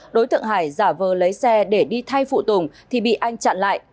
đối tượng hải giả vờ lấy xe để đi thay phụ tùng thì bị anh chặn lại